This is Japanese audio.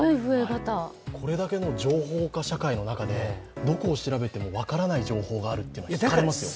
これだけの情報化社会の中でどこを調べても分からない情報ってひかれますよね。